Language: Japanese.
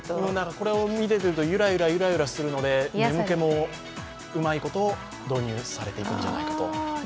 これを見てるとゆらゆらするので眠気もうまいこと導入されていくんじゃないかと。